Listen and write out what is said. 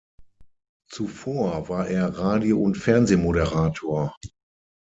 Zuvor war er Radio- und Fernsehmoderator.